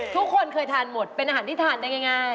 ทุกคนเคยทานหมดเป็นอาหารที่ทานได้ง่าย